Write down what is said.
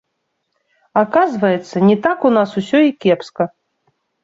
Аказваецца, не так у нас усё і кепска!